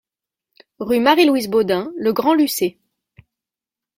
Rue Marie Louise Bodin, Le Grand-Lucé